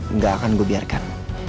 nggak akan gue biarkan